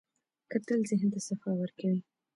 کتل ذهن ته صفا ورکوي